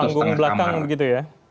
panggung belakang gitu ya